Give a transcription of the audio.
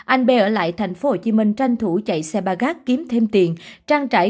anh b ở lại tp hcm tranh thủ chạy xe ba gác kiếm thêm tiền